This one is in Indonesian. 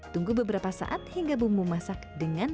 tunggu beberapa saat hingga bumbu masakan sudah matang